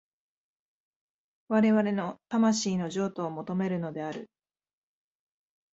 我々の魂の譲渡を求めるのである。